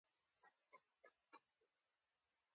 زردالو د افغانستان د بڼوالۍ برخه ده.